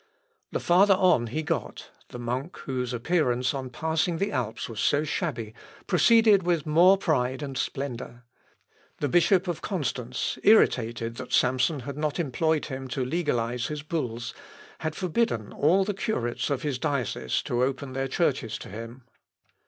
The farther on he got, the monk, whose appearance on passing the Alps was so shabby, proceeded with more pride and splendour. The Bishop of Constance, irritated that Samson had not employed him to legalise his bulls, had forbidden all the curates of his diocese to open their churches to him.